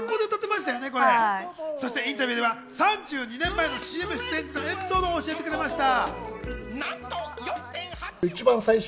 そしてインタビューでは３２年前のＣＭ出演時のエピソードを教えてくれました。